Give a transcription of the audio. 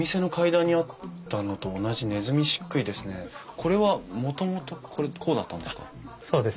これはもともとこれこうだったんですか？